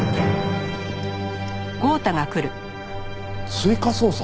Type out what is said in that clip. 追加捜査？